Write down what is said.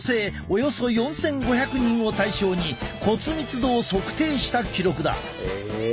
およそ４，５００人を対象に骨密度を測定した記録だ。え。